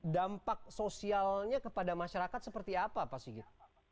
dampak sosialnya kepada masyarakat seperti apa pak sigit